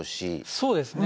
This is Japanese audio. そうですね。